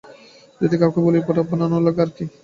যদি কাউকে বলির পাঠা বানানো লাগে আরকি।